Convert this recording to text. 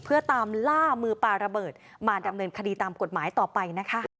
เพื่อตามล่ามือปลาระเบิดมาดำเนินคดีตามกฎหมายต่อไปนะคะ